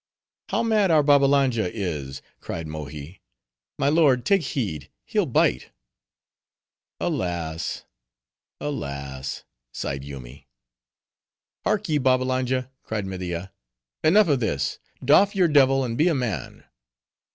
"How mad our Babbalanja is," cried Mohi. My lord, take heed; he'll bite." "Alas! alas!" sighed Yoomy. "Hark ye, Babbalanja," cried Media, "enough of this: doff your devil, and be a man."